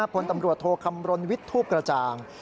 พลตำรวจโทคำรณวิทย์ทูปกระจ่าง